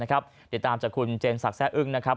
ติดตามจากคุณเจนศักดิแซ่อึ้งนะครับ